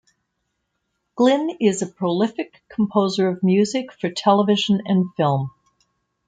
Glynn is a prolific composer of music for television and film.